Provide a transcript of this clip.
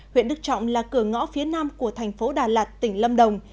huyện đức trọng là cửa ngõ phía nam của thành phố đà lạt tỉnh lâm đồng